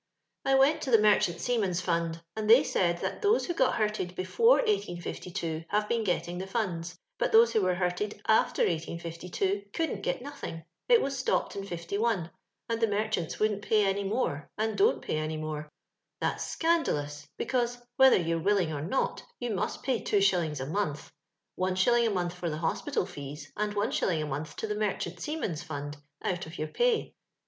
I went to the llerohsnt Ssamanis Funi, and they said that those who got hmted befbn 1809 have been getting the Amda, but those who were hurted after 1853 oonldnt get nothing — it was stopped in '01, and the meccliBniB wouldn't pay any more, and dont pay ooy more. That's scandalous, because, whether youYe willing or not, you must pay two shillings a month (one shilling a month for the hospital fees, and one shilling a month to the Merchant Seaman's Fund), out of yoTir pay.